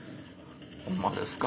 ホンマですか？